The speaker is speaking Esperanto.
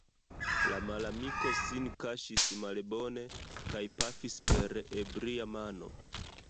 La malamiko sin kaŝis malbone, kaj pafis per ebria mano.